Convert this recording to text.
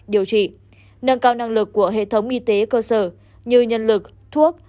điều trị nâng cao năng lực của hệ thống y tế cơ sở như nhân lực thuốc